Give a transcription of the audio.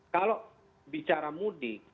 kalau bicara mudik